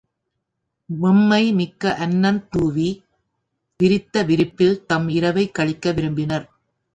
வெம்மைமிக்க அன்னத் தூவி விரித்த விரிப்பில் தம் இரவைக் கழிக்க விரும்பினர்.